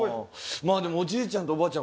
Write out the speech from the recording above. まあでもおじいちゃんとおばあちゃん